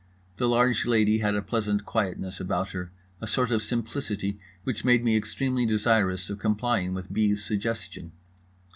The large lady had a pleasant quietness about her, a sort of simplicity, which made me extremely desirous of complying with B.'s suggestion.